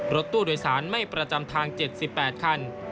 รถตู้โดยสารไม่ประจำทาง๗๘คัน